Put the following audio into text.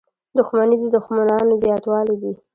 • دښمني د دوښمنانو زیاتوالی دی.